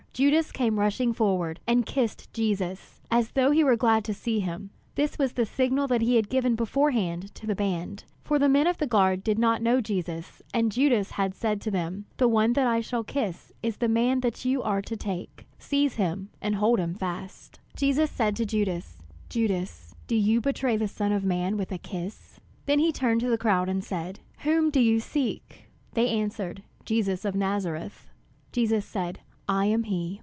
Judas came rushing forward, and kissed Jesus, as though he were glad to see him. This was a signal that he had given beforehand to the band; for the men of the guard did not know Jesus, and Judas had said to them: "The one that I shall kiss is the man that you are to take; seize him and hold him fast." Jesus said to Judas, "Judas, do you betray the Son of man with a kiss?" Then he turned to the crowd, and said, "Whom do you seek?" They answered, "Jesus of Nazareth." Jesus said, "I am he."